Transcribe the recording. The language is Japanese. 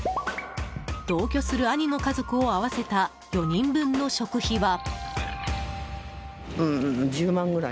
同居する兄の家族を合わせた４人分の食費は。